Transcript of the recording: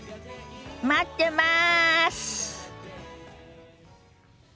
待ってます！